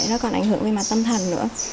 nó còn ảnh hưởng về mặt tâm thần nữa